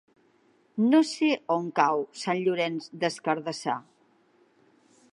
No sé on cau Sant Llorenç des Cardassar.